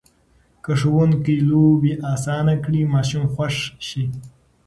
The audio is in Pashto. که ښوونکي لوبې اسانه کړي، ماشوم خوښ شي.